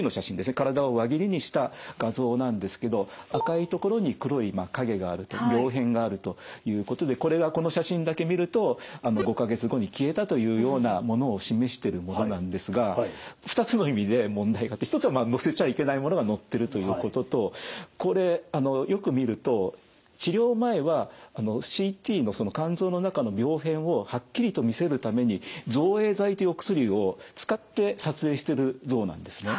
体を輪切りにした画像なんですけど赤い所に黒い影があると病変があるということでこれはこの写真だけ見ると５か月後に消えたというようなものを示してるものなんですが２つの意味で問題があって一つは載せちゃいけないものが載ってるということとこれよく見ると治療前はＣＴの肝臓の中の病変をはっきりと見せるために造影剤というお薬を使って撮影してる像なんですね。